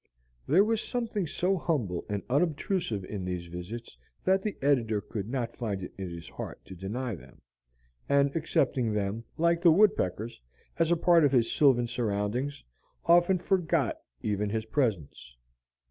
There was something so humble and unobtrusive in these visits, that the editor could not find it in his heart to deny them, and accepting them, like the woodpeckers, as a part of his sylvan surroundings, often forgot even his presence.